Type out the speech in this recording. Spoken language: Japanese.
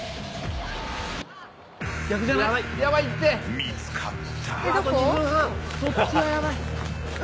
見つかった。